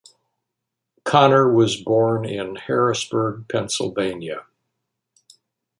Conner was born in Harrisburg, Pennsylvania.